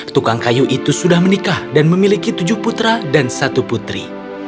tukang kayu itu sudah menikah dan memiliki tujuh putra dan satu putri